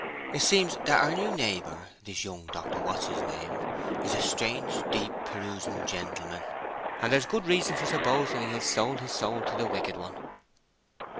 It seems that our new neighbor, this young Dr. What's his name, is a strange, deep, perusing gentleman; and there's good reason for supposing he has sold his soul to the wicked one."